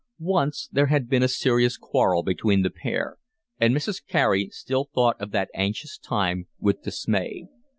Once there had been a serious quarrel between the pair, and Mrs. Carey still thought of that anxious time with dismay.